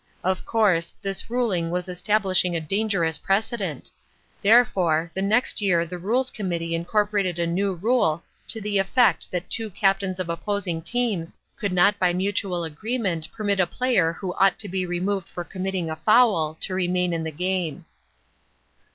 Of course, this ruling was establishing a dangerous precedent; therefore, the next year the Rules Committee incorporated a new rule to the effect that two captains of opposing teams could not by mutual agreement permit a player who ought to be removed for committing a foul to remain in the game."